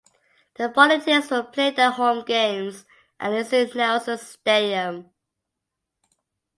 The Volunteers will play their home games at Lindsey Nelson Stadium.